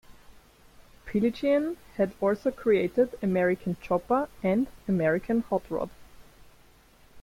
Piligian had also created "American Chopper" and "American Hot Rod".